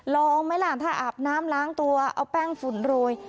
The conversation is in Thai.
ลองไหมล่ะถ้าอาบน้ำล้างตัวเอาแป้งฝุ่นโรย